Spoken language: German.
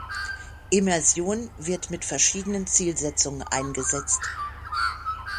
Immersion wird mit verschiedenen Zielsetzungen eingesetzt.